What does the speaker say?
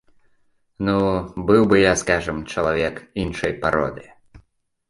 Ну, быў бы я, скажам, чалавек іншай пароды.